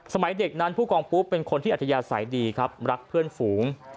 สมัยเด็กนั้นผู้กองปุ๊บเป็นคนที่อัธยาศัยดีครับรักเพื่อนฝูง